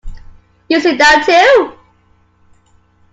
You sit down too.